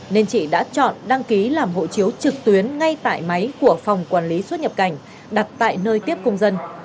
nên chị đã chọn đăng ký làm hộ chiếu trực tuyến ngay tại máy của phòng quản lý xuất nhập cảnh đặt tại nơi tiếp công dân